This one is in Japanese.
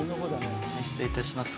失礼いたします